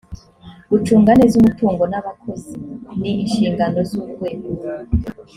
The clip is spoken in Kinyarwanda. gucunga neza umutungo n’abakozi ni inshingano z’urwego